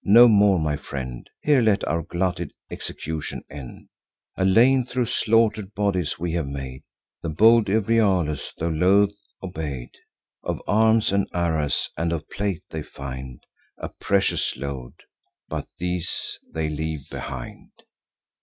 No more, my friend; Here let our glutted execution end. A lane thro' slaughter'd bodies we have made." The bold Euryalus, tho' loth, obey'd. Of arms, and arras, and of plate, they find A precious load; but these they leave behind.